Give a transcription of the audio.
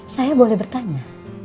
saya boleh bertanya